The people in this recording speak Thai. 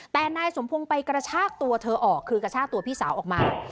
แต่นายสมพงศ์ไปกระชากตัวเธอออกคือกระชากตัวพี่สาวออกมา